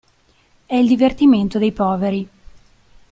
È il divertimento dei poveri.